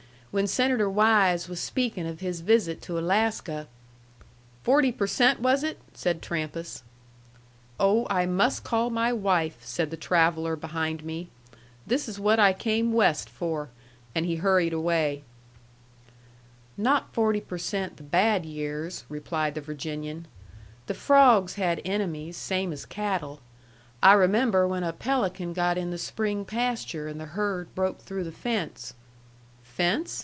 When Senator Wise was speaking of his visit to Alaska " "Forty per cent, was it?" said Trampas. "Oh, I must call my wife," said the traveller behind me. "This is what I came West for." And he hurried away. "Not forty per cent the bad years," replied the Virginian. "The frawgs had enemies, same as cattle. I remember when a pelican got in the spring pasture, and the herd broke through the fence " "Fence?"